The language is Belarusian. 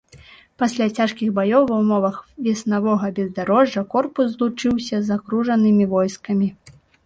Пасля цяжкіх баёў ва ўмовах веснавога бездарожжа корпус злучыўся з акружанымі войскамі.